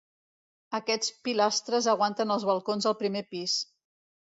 Aquestes pilastres aguanten els balcons del primer pis.